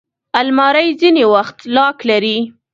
الماري ځینې وخت لاک لري